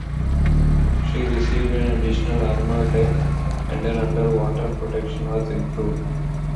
She received an additional armored deck, and her underwater protection was improved.